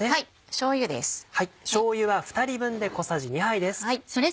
しょうゆは２人分で小さじ２杯です。